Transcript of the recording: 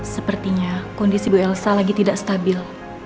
sepertinya kondisi bu elsa lagi tidak stabil